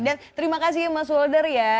dan terima kasih mas holder ya